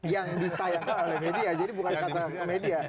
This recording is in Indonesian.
yang ditayangkan oleh media jadi bukan kata media